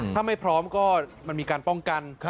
ถ้าไม่พร้อมก็มันมีการป้องกัน